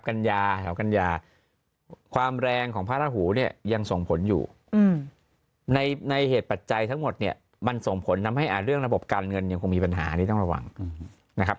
กัญญาแถวกัญญาความแรงของพระราหูเนี่ยยังส่งผลอยู่ในเหตุปัจจัยทั้งหมดเนี่ยมันส่งผลทำให้เรื่องระบบการเงินยังคงมีปัญหาอันนี้ต้องระวังนะครับ